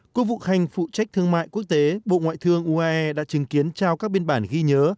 quốc vụ khanh phụ trách thương mại quốc tế bộ ngoại thương uae đã chứng kiến trao các biên bản ghi nhớ